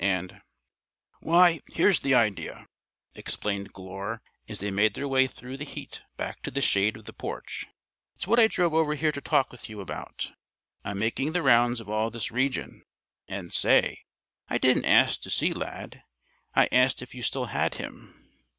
And " "Why, here's the idea," explained Glure, as they made their way through the heat back to the shade of the porch. "It's what I drove over here to talk with you about. I'm making the rounds of all this region. And, say, I didn't ask to see Lad. I asked if you still had him.